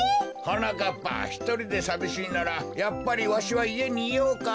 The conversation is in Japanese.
はなかっぱひとりでさびしいならやっぱりわしはいえにいようか？